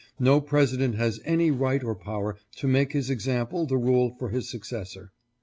No President has any right or power to make his example the rule for his successor.